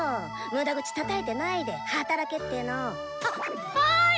無駄口たたいてないで働けっての。ははい！